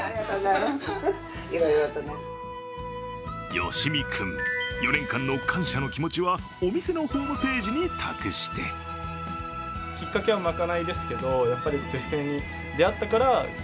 吉見君、４年間の感謝の気持ちはお店のホームページに託して今年の春は３人。